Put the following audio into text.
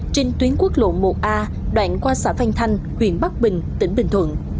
trên tuyến quốc lộ một a đoạn qua xã phan thanh huyện bắc bình tỉnh bình thuận